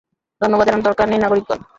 ধন্যবাদ জানানোর দরকার নেই, নাগরিকগন।